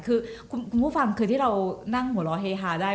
คือคุณผู้ฟังคือที่เรานั่งหัวเราะเฮฮาได้